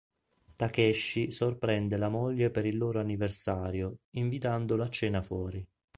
Takeshi sorprende la moglie per il loro anniversario invitandolo a cena fuori.